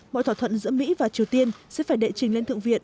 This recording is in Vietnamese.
mọi thỏa thuận giữa mỹ và triều tiên sẽ phải đệ trình lên thượng viện